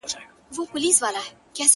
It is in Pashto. زړه یې لکه اوښکه د یعقوب راته زلال کړ -